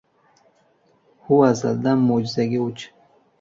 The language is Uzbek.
Hu azaldan mo‘jizaga o‘ch.